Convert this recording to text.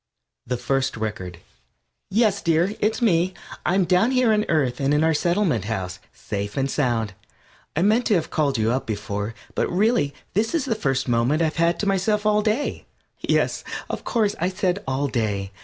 THE FIRST RECORD Yes, dear, it's me. I'm down here on the Earth and in our Settlement House, safe and sound. I meant to have called you up before, but really this is the first moment I have had to myself all day. Yes, of course, I said "all day."